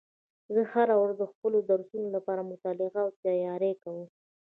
زه هره ورځ د خپلو درسونو لپاره مطالعه او تیاری کوم